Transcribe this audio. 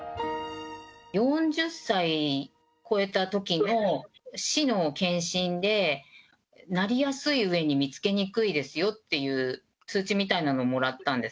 ４０歳を超えたときの市の検診でなりやすい上に見つけにくいですよっていう通知みたいなのをもらったんです。